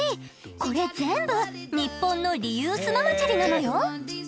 これ全部ニッポンのリユースママチャリなのよ。